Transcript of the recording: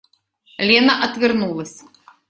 Лена отвернулась.